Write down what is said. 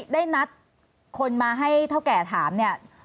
ได้นัดคนมาให้เท่าแก่ถามเนี่ย